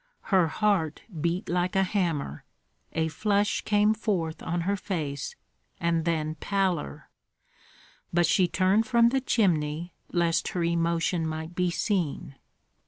Her heart beat like a hammer; a flush came forth on her face, and then pallor; but she turned from the chimney, lest her emotion might be seen.